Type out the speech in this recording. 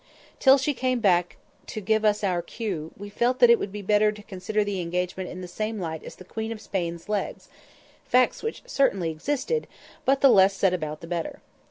Till she came back to give us our cue, we felt that it would be better to consider the engagement in the same light as the Queen of Spain's legs—facts which certainly existed, but the less said about the better.